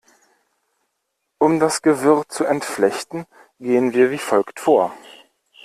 Um das Gewirr zu entflechten, gehen wir wie folgt vor.